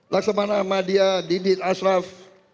laksamana ahmadiyah didit asraf